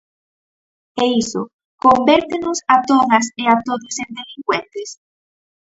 E iso ¿convértenos a todas e a todos en delincuentes?